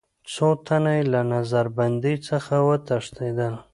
څو تنه یې له نظر بندۍ څخه وتښتېدل.